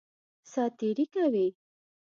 سات تېری کوي.